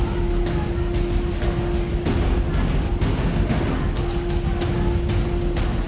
โรงดรจังห์วิใหม่